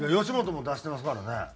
吉本も出してますからね。